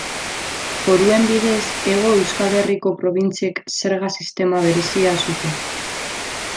Foruen bidez, Hego Euskal Herriko probintziek zerga sistema berezia zuten.